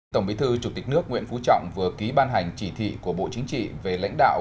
tổng bí thư chủ tịch nước nguyễn phú trọng vừa ký ban hành chỉ thị của bộ chính trị về lãnh đạo